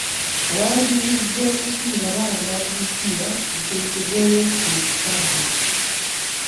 Abawagizi b'omupiira baagala emipiira giteekebweyo ku ssabbiiti.